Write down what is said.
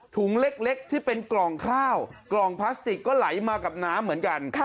ถุงเล็กที่เป็นกล่องข้าวกล่องพลาสติกก็ไหลมากับน้ำเหมือนกัน